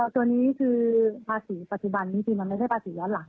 ตัวนี้คือภาษีปัจจุบันนี้จริงมันไม่ใช่ภาษีย้อนหลัง